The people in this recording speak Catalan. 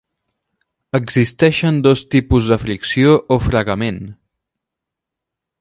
Existeixen dos tipus de fricció o fregament.